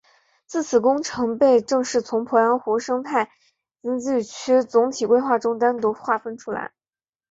自此工程被正式从鄱阳湖生态经济区总体规划中单独划分出来。